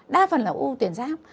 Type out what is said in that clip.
đa phần là u tuyến giáp